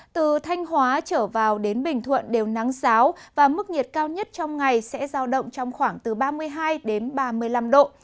từ thanh hóa trở vào đến bình thuận đều nắng giáo và mức nhiệt cao nhất trong ngày sẽ giao động trong khoảng từ ba mươi hai đến ba mươi năm độ